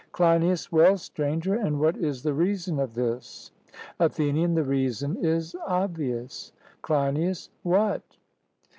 CLEINIAS: Well, Stranger, and what is the reason of this? ATHENIAN: The reason is obvious. CLEINIAS: What?